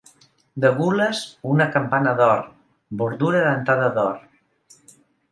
De gules, una campana d'or; bordura dentada d'or.